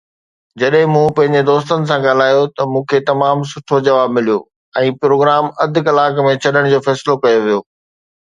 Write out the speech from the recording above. جڏهن مون پنهنجي دوستن سان ڳالهايو ته مون کي تمام سٺو جواب مليو ۽ پروگرام اڌ ڪلاڪ ۾ ڇڏڻ جو فيصلو ڪيو ويو.